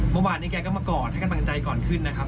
เมื่อวานนี้แกก็มากอดให้กำลังใจก่อนขึ้นนะครับ